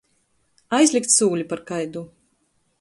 Aizlikt sūli par kaidu.